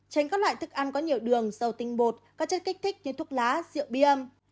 tránh các loại thức ăn có nhiều đường dầu tinh bột các chất kích thích như thuốc lá rượu bia